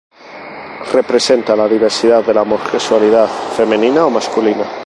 Representa la diversidad de la homosexualidad femenina o masculina.